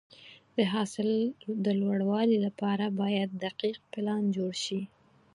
د حاصل د لوړوالي لپاره باید دقیق پلان جوړ شي.